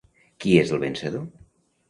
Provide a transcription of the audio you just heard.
Qui és el vencedor?